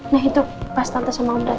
nek itu pas tante sama om dateng